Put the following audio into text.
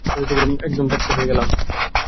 একদম ত্যাক্ত হয়ে গেলাম!